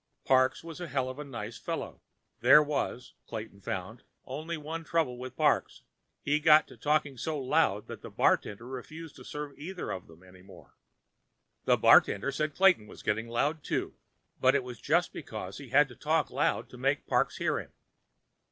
Parks was a hell of a nice fellow. There was, Clayton found, only one trouble with Parks. He got to talking so loud that the bartender refused to serve either one of them any more. The bartender said Clayton was getting loud, too, but it was just because he had to talk loud to make Parks hear him.